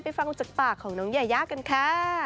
ฟังจากปากของน้องยายากันค่ะ